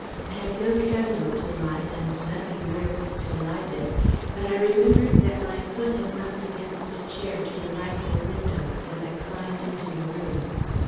I had no candle to light and nothing wherewith to light it. But I remembered that my foot had knocked against a chair to the right of the window, as I climbed into the room.